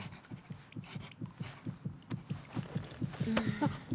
あっ。